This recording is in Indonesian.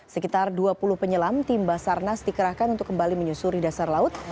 sekitar dua puluh penyelam tim basarnas dikerahkan untuk kembali menyusuri dasar laut